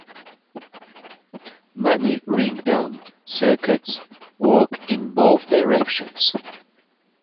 Many ringdown circuits work in both directions.